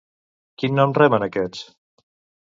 Quin nom reben aquests?